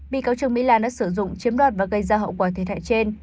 bị cáo trương mỹ lan đã sử dụng chiếm đoạt và gây ra hậu quả thiệt hại trên